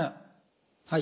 はい。